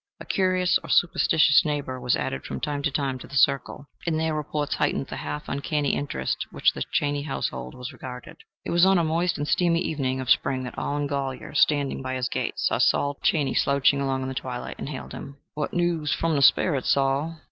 A curious or superstitious neighbor was added from time to time to the circle, and their reports heightened the half uncanny interest with which the Chaney house was regarded. It was on a moist and steamy evening of spring that Allen Golyer, standing by his gate, saw Saul Chaney slouching along in the twilight, and hailed him: "What news from the sperrits, Saul?"